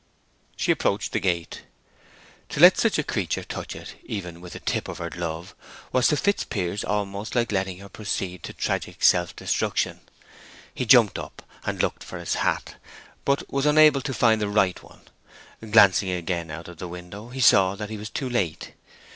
She approached the gate. To let such a creature touch it even with a tip of her glove was to Fitzpiers almost like letting her proceed to tragical self destruction. He jumped up and looked for his hat, but was unable to find the right one; glancing again out of the window he saw that he was too late.